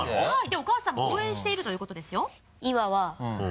でお母さんも応援しているということですよ。